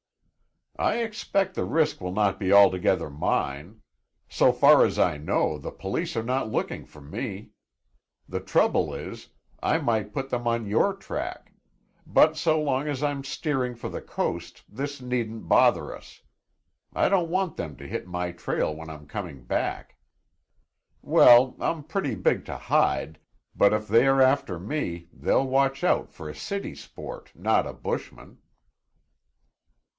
"I expect the risk will not be altogether mine. So far as I know, the police are not looking for me. The trouble is, I might put them on your track; but so long as I'm steering for the coast this needn't bother us. I don't want them to hit my trail when I'm coming back. Well, I'm pretty big to hide, but if they are after me, they'll watch out for a city sport, not a bushman."